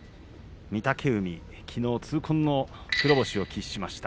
御嶽海、きのう痛恨の黒星を喫しました。